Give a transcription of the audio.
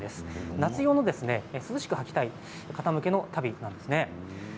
夏用の涼しくはきたい方向けの足袋なんですね。